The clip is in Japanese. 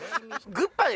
グッパで。